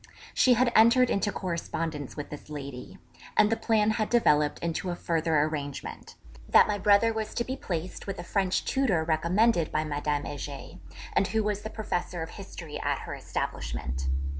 She had entered into correspondence with this lady, and the plan had developed into a further arrangement, that my brother was to be placed with a French tutor recommended by Madame Heger, and who was the Professor of History at her establishment.